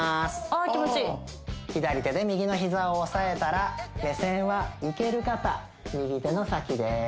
ああ気持ちいい左手で右の膝を押さえたら目線はいける方右手の先です